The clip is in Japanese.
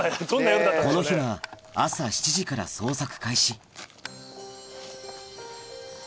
この日は朝７時から捜索開始